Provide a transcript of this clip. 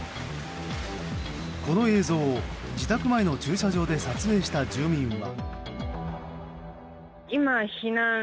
この映像を、自宅前の駐車場で撮影した住民は。